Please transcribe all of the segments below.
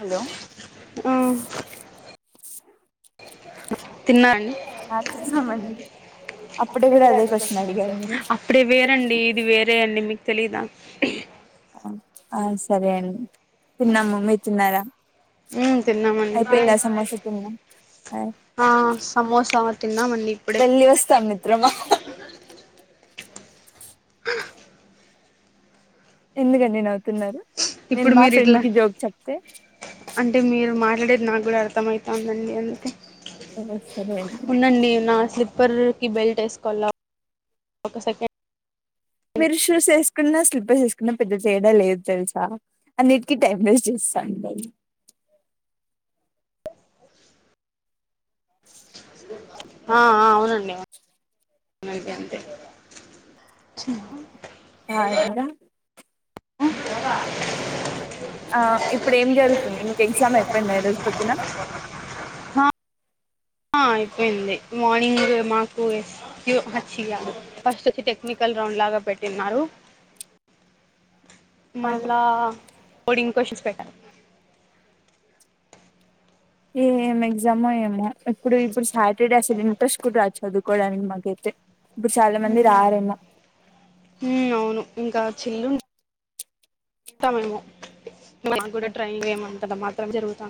Hello ఆహ్ add [unintelligible] మళ్ళీ అప్పుడు కూడా అదే గా అప్పుడే వేరండి ఇది వేరే అండి మీకు తెలీదా అ ఆ సరే అండి తిన్నాము మీర్ తిన్నారా ఉమ్ తిన్నామండి అయిపోయిందా సమోసా తినడం బాయ్ ఆ సమోసా తిన్నామండి ఇప్పుడే వెళ్లి వస్తాం మిత్రమా ఎందుకండి నవుతున్నారు ఇప్పుడు మీరు ఇట్లా అంటే మీరు మాట్ అంటే నాకు గూడా అర్థమవుతాంది అండి అందుకే ఓ సరే అండి స్లిప్పర్కి బెల్ట్ వేసుకోవాల ఒక సెకండ్ మీరు షూస్ వేసుకున్న స్లిపర్స్ వేసుకున్నా పెద్ద తేడా లేదు తెలుసా అన్నిటికీ టైం వేస్ట్ చేస్ సండే ఆ అవునండి అంతే అంతే చిపా ఆ ఎక్కడ అ దుర్గ ఆ ఇప్పుడు ఏం జరుగుతుంది మీకు ఎగ్జామ్ అయిపోయింది ఈరోజు పొద్దున అ అయిపోయింది మార్నింగ్ మాకు ఎస్ క్యూ హ ఛి గాదు ఫస్ట్ వచ్చి టెక్నికల్ రౌండ్ లాగా పెట్టిన్నారు మళ్ళా పొద్దున కోడింగ్ క్వశ్చన్స్ పెట్ ఏం ఎగ్జామో ఏమో ఇప్పుడు ఇప్పుడు సాటర్డే అసలు ఇంట్రెస్ట్ కూడ రాదు చదు కోడానికి మాకైతే ఇప్పుడు చాలా మంది మ్ రారేమో మ్ అవును ఇంకా చిల్లు టామేమో మాకు గూడా ట్రైన్వే మంతల మాత్రం జరుగుతా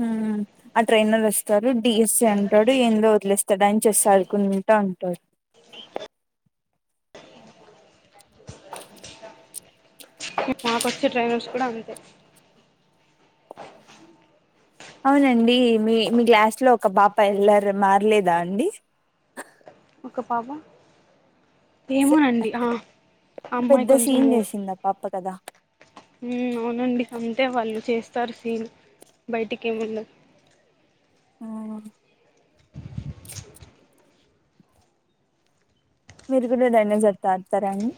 హ్మ్ ఆ ట్రైనర్ వస్తారు డిఎస్సి అంటాడు ఏందో వదిలే ఆయన చేస్ ఆడుకుంటా ఉంటారు మాకొచ్చే ట్రైనర్స్ కూడా అంతే అవునండి మీ మీ క్లాస్లో ఒక పాప అల్లరి మారలేదా అండి ఒక పాప స- ఏమోనండి ఆ అమ్మాయి పెద్ద సీన్ కొంచము చేసింది ఆ పాప కదా మ్ అవునండి అంతే వాళ్ళు చేస్తారు సీను బయటికి వెళ్ళ అవునా మీరు కూడా డైనోసర్తో ఆడతారాండి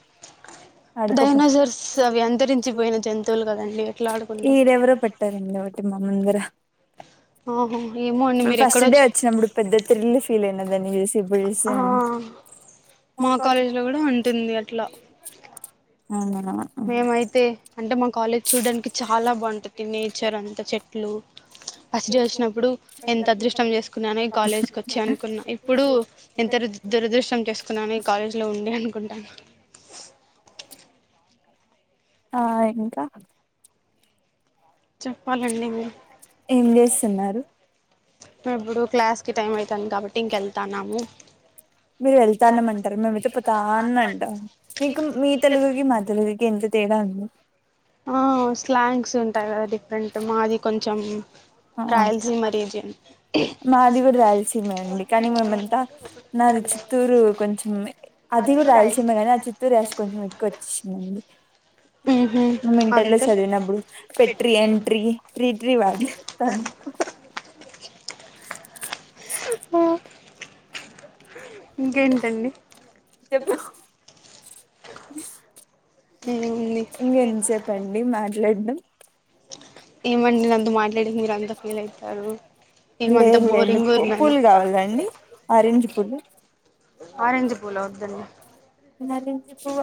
అడుకోపో డైనోసర్స్ అవి అంతరించిపోయిన జంతువులు కదండి ఎట్లా ఆడుకుంటాం ఇది ఎవరో పెట్టారండి ఒకటి మా ముందర ఆహో ఏమో అండి మీరు ఫస్ట్ ఎక్కడో డే చూ వచ్చినప్పుడు పెద్ద త్రిల్ ఫీల్ అయిన దాన్ని చూసి ఇప్పుడు చూస్తే ఆ మా కాలేజ్లో కూడా ఉంటుంది అట్లా అవునా మేమయితే అంటే మా కాలేజ్ చూడ్డానికి చాలా బావుంటది నేచర్ అంత చెట్లు ఫస్ట్ డే వచ్చినప్పుడు ఎంత అదృష్టం చేసుకున్నానో ఈ కాలేజ్కి వచ్చి అనుకున్నా ఇప్పుడు ఎ దురద్ దురదృష్టం చేసుకున్నాను ఈ కాలేజ్లో ఉండి అనుకుంటాను ఆ ఇంకా చెప్పాలండి మీరు ఏం చేస్తున్నారు ఇప్పుడు క్లాస్కి టైం అవుతుంది కాబట్టి ఇంకెళ్తాన్నాము మీరు ఎళ్తానమంట్రు మేమైతే పోతాన్ అంటా మీకు మీ తెలుగుకి మా తెలుగుకి ఎంత తేడా ఉంది ఆ స్లాంగ్స్ ఉంటాయి కదా డిఫరెంట్ మాది కొంచెం ఆ రాయల్సీ మరీజియన్ మాది కూడా రాల్సిమే అండి కానీ మేమంతా నాది చిత్తూరు కొంచెం ఉంది అది కూడా రాయలసీమే గాని ఆ చిత్తూరు యాస కొంచెం ఎక్కువ వచ్చేసిందండి మేము ఇంటర్లో అంతే చదివినప్పుడు పెట్రీ ఎంట్రీ టీ ట్రీ వాడుస్తాను ఆ చెప్పు ఏముంది ఇంకేంతసేప్పండి మాట్లాడ్డం ఏమండి నేను అంత మాట్లాడే మీరు అంత ఫీల్ అవుతారు ఇమంతా లేదులేండి బోరింగ్ ఉన్నాను పూలు కావాలండి ఆరెంజ్ పూలు ఆరెంజ్ పూల వద్దండి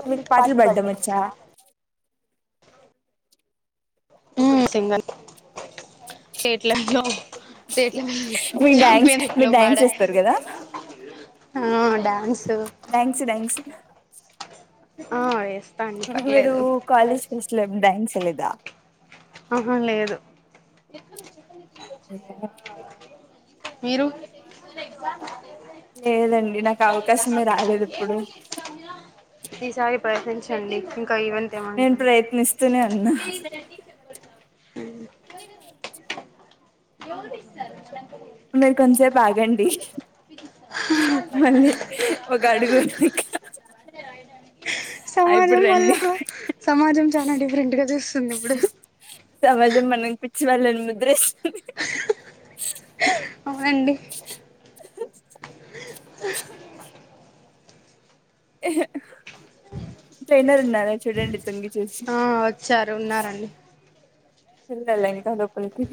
మీకు పాటలు పెట్టడం వచ్చా మ్ సింగల్ చేట్లళ్ళో ట్ల మీరు డ్యాన్స్ చాంపియన్ ఎట్లో మీరు డ్యాన్స్ పాడే చేస్తారు ఆ థ్యాంక్స్యు థ్యాంక్స్ ఆ ఎేస్ మీరు కాలేజ్ ఫెస్ట్ల ఏమన్న డన్స్ వేలేదా ఆహ లేదు మీరు లేదండి నాకు అవకాశమే రాలేదు ఇప్పుడు ఇ సారి ప్రయతించండి నేన్ ప్రయత్నిస్తునే ఉన్నా ఎవలు తీస్తారు చెప్ మీరు కొంత సేపు ఆగండి మళ్ళీ ఒక అడుగు వెనక్కి రా సమాజం వల్ల సమాజం చాలా డిఫరెంట్గా సమాజం మనం పిచ్చి వాళ్ళని ముద్రే అండి టైనర్ ఉన్నారా చూడండి తొంగి చూసి ఆ వచ్చారు ఉన్నారండి వెళ్ళాలా ఇంకా లోపలికి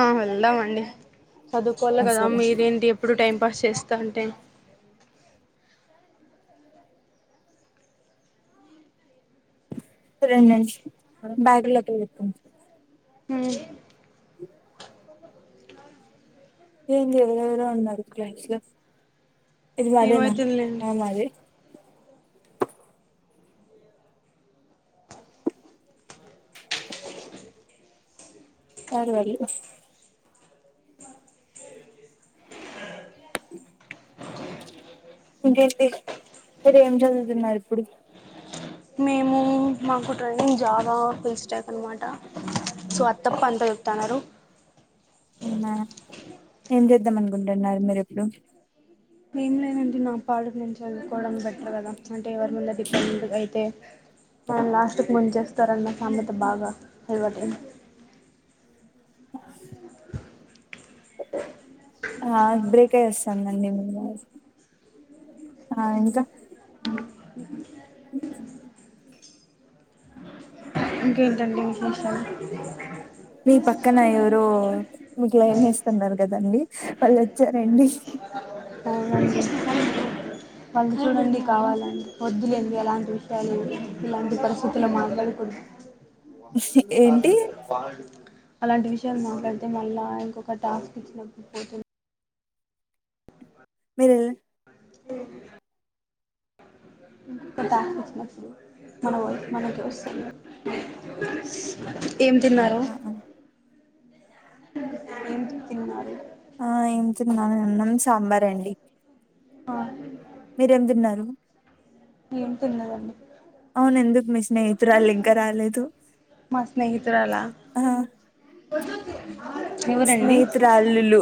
ఆ వెల్దమండి చదువుకోవాలి ఆ, కదా సరే మీరేంటి ఎప్పుడు టైం పాస్ చేస్తా అంటే నేన్స్ బ్యాగ్లోకెళ్ళి హు ఏం ఎవరేవరో ఉన్నారు క్లస్ లో ఇది మదేనా ఏమైతుందిలేండి ఆ మదే కదు మరి ఒస్ ఇంకేంటి మీరు ఏం చదువుతున్నారు ఇప్పుడు మేము మాకు ట్రైన్ జావా పిలిచటాక అనమాట సో అత్తప్ప అంతా చెప్తున్నారు అవునా ఏం చేద్దాం అనుకుంటున్నారు. మీరు ఇప్పుడు ఏం లేదంటే నా పాడు నేను చదువుకోవడం. బెటర్ కదా అంటే ఎవరి అన్న ముందు డిపెండు అయితే ఆ లాస్ట్ కు ముంచేస్తారన్న సమెత బాగా అలవటు అయింది. ఆ బ్రేక్ అయి వస్తందండి. ఆ ఇంకా ఇంకేంటండి విశేషాలు మీ పక్కన ఎవరో మీకు ఏమేస్తున్నారు కదండి. వాళ్ళు వొచ్చ రండీ అవునండి వాళ్ళు చూడండి కావాలంటె వద్దులేండి అలాంటి విషయాలు ఇలాంటి పరిస్థితులో మాట్లాడాకూడదు వ సాల ఏంటి పా అలాంటి విషయాలు మాట్లాడితే మళ్ళా ఇంకొక టాస్క్ ఇచ్చినప్పుడు పోతుంది మీర్ హఓ టాస్క్ ఇచ్చినప్పుడు మన వాయిస్ మనకే వస్తది. ఏం తిన్నారు ఆ ఏం తిన్నారు ఆ ఏం తిన్నాను ఆన్నాం సాంబార్ అండి ఆ మీరేం తిన్నారు ఏం తినలేదండి అవును ఎందుకు మిస్ స్నేహితురాళ్ళు ఇంకా రాలేదు మా స్నేహితురాలా ఆ ఎవరండి స్నేహితురాళ్ళు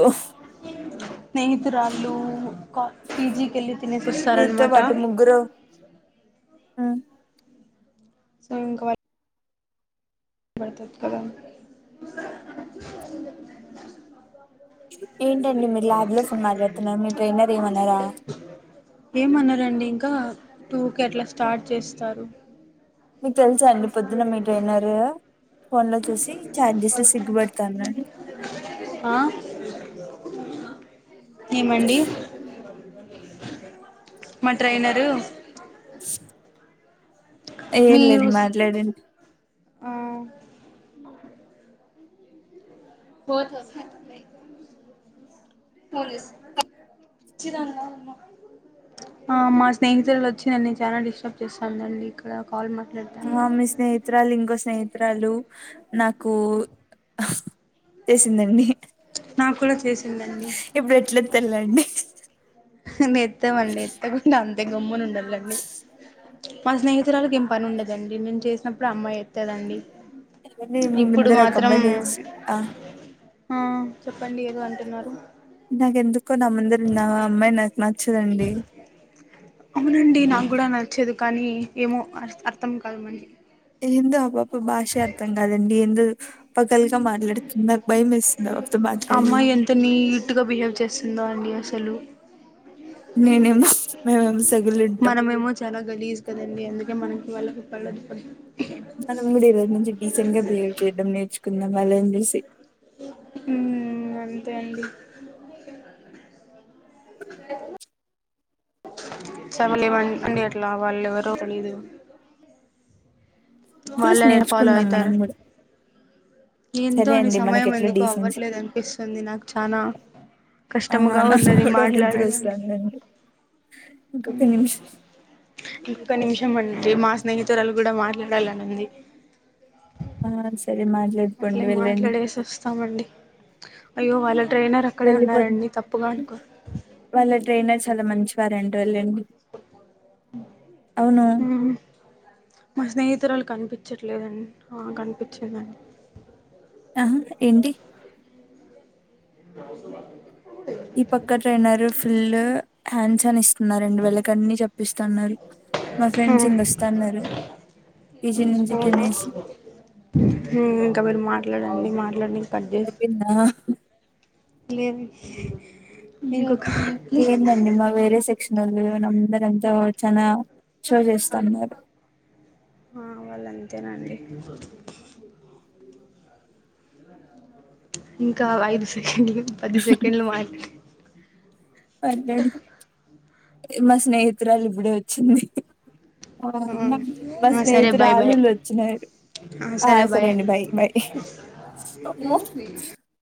స్నేహితురాళ్ళు లు పిజికి వెళ్ళి తినేసి వస్తారన్న మాట ఆ సో ఇంకా వాళ్ళు తర్వాత ఏతకడం ఏంటండి మీరు ల్యాబ్ లో ఫోన్ మాట్లాడుతున్నారు మీ ట్రైనర్ ఏమనరా ఏమనరు అండి ఇంకా టూ కి అట్లా స్టార్ట్ చేస్తారు. మీకు తెలుసా అండి పొద్దున్న మీ ట్రేయినరు ఫోన్ లో చూసి చాట్ చేసి సిగ్గు పడతాన్నా రండి ఆ ఏమండి మా ట్రైనర్ ఏం లేదు మీరు మాట్లాడండీ ఆ పోతొ [unintelligible] పోలీస్ చిరాంగా ఉన్నవు ఆ మా స్నేహితులు వచ్చి నన్ను చానా డిస్టర్బ్ చేస్తారాండి ఇక్కడ కాల్ మా ఆ మీ స్నేహితురాలు ఇంకో స్నేహితురాలు నాకు చేసిందండి నాకు కూడా చేసిందండి ఇప్పుడు ఎట్ల ఎత్తల్లండి ఎత్తామండి ఎత్తకుండా అంతే గమ్మున ఉండాలండి మా స్నేహితురాలకి ఏం పని ఉండదండి. నేను చేసినప్పుడు అమ్మాయి ఎత్తదండి మీ ఇప్పుడు ముందర మాత్రం ఒకమ్మాయి నీలుసు ఆ ఆ చెప్పండి ఏదో అంటున్నారు నాకెందుకు ఎందుకో న ముందర ఉన్న ఆ అమ్మాయి నాకు నచ్చదండి అవునండి నాకు కూడా నచ్చదు కానీ ఏమో అ అర్థం కాదు మీ ఏందో అపాప భాషే అర్థం కాదండి ఏందొ పొగరు గా మాట్లాడుతుంది నాకు భయ మెస్తుంది ఆవిడతో మాట్లాడి ఉందాండి అసలు న న మ వెమస [unintelligible] మనమేమో చాలా గలీజ్ కదండి అందుకే మనకి వాళ్ళకి పడదు మనం కూడా ఈరోజు నుంచి డీసెంట్ గా బిహేవ్ చేయడం నేర్చుకుందాం వాళ్ళ ని చూసి ఉమ్ అంతే అండి చవలేవ అండి అట్లా వాళ్ళు ఎవరు తెలీదు చూసి వాళ్ళె యాడ ఫాలో నేర్చుకుందాం మనం అవుతారు కూడా ఎంతో సరే అని అండి మనకి సమయం ఎట్లా ఎందుకు డీసెన్సీ అవ్వట్లేదు అనిపిస్తుంది నాకు చానా ఆ కష్టముగా నా ఉన్నది క్కుడా నిద్ర మాట్లాడడానికి వస్తందండి ఇంకొక నిమిషం ఒక్క నిమిషం అండి మా స్నేహితురాలు కూడా మాట్లాడాలనింది ఆ సరే [unintelligible] అట్లే మాట్లాడుకోండి వెళ్ళండి మాట్లాడేసి వస్తామండి అయ్యో వాళ్ళ ట్రైనర్ అక్కడే వెళ్ళిపోతుం ఉన్నారండి తప్పుగా అనుకో వాళ్ళ ట్రైనర్ చాలా మంచివారు అంత లెండి ఉమ్ మా స్నేహితురాలు కనిపించట్లేదండి ఆ కనిపించిందండి ఆ ఏంటి బ బ ఈ పక్క ట్రైనర్ ఫుల్ హ్యాండ్స్ అని న్నారు రెండు వేల కన్ని చెప్పిస్తున్నారు మా ఫ్రెండ్స్ మ్ ఇంగొస్తున్నారు అవునా ఇంకా మీరు మాట్లాడండి మాట్లాడి కట్ చేసి అయిపొయిందా లేదు ఇంకొక ఏందండి మా వేరే సెక్షన్ వోళ్ళు వాళ్ళు అందరు ఎంతో చానా షో చేస్తున్నారు ఆ అ వాళ్ళు అంతేనండి ఇంకా ఐదు సెకండ్లు పది సెకండ్లు మాట్లా పర్లేడు మా స్నేహితురాలు ఇప్పుడే వచ్చింది మా ఆ సరే బాయ్ బాయ్ స్నేహితురాలులు వచ్చినారు ఆ సరే అండి బాయ్ బయ్